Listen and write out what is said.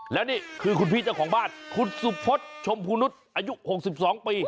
แล้วนี่คือคุณพี่เจ้าของบ้านคุณสุพศชมพูนุษย์อายุ๖๒ปี